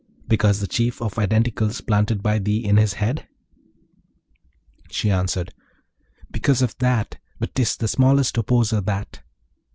because of the Chief of Identicals planted by thee in his head?' She answered, 'Because of that; but 'tis the smallest opposer, that.'